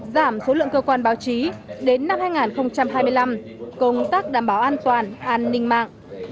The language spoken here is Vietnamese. giảm số lượng cơ quan báo chí đến năm hai nghìn hai mươi năm công tác đảm bảo an toàn an ninh mạng